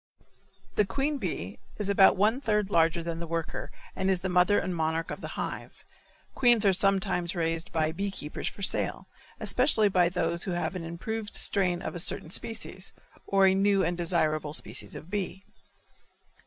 The queen bee is about one third larger than the worker and is the mother and monarch of the hive. Queens are sometimes raised by bee keepers for sale, especially by those who have an improved strain of a certain species, or a new and desirable species of bee.